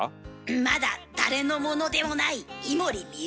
まだ誰のものでもない井森美幸。